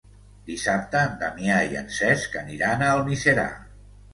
Dissabte en Damià i en Cesc aniran a Almiserà.